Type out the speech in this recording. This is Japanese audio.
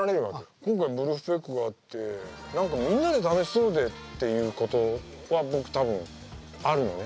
今回Ｖｕｌｆｐｅｃｋがあって何かみんなで楽しそうでっていうことは僕多分あるのね。